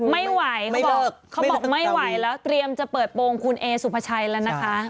ไม่ไหวเขาบอกเขาบอกไม่ไหวแล้วเตรียมจะเปิดโปรงคุณเอสุภาชัยแล้วนะคะ